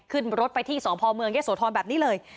ขึ้นรถไปที่สพเมืองเยอะโสธรแบบนี้เลย